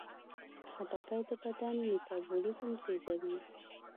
خټکی د بدن میتابولیزم تیزوي.